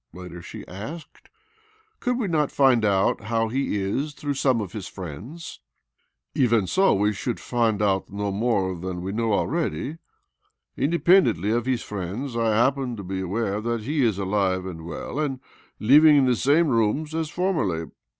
later she asked . "Could we not find out how he is through some of his friends? "" Even so, we should find out no more than we know already. Independently of 2б6 OBLOMOV his frienids, I happen, to be aware that he is alive and well, and living, in the same rooms as formerly.